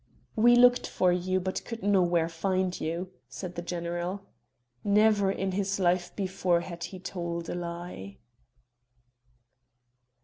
"We looked for you, but could nowhere find you," said the general. Never in his life before had he told a lie.